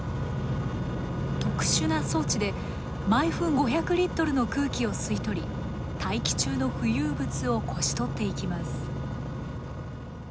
特殊な装置で毎分５００リットルの空気を吸い取り大気中の浮遊物をこし取っていきます。